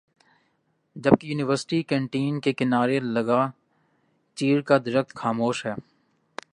جبکہ university canteen کے کنارے لگا چیڑ کا درخت خاموش ہے